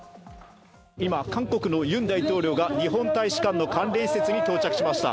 今、韓国のユン大統領が日本大使館の関連施設に到着しました。